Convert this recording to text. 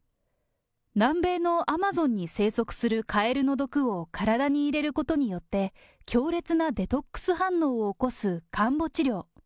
南米のアマゾンに生息するカエルの毒を体に入れることによって、強烈なデトックス反応を起こすカンボ治療。